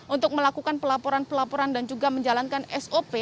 untuk melakukan pelaporan pelaporan dan juga menjalankan sop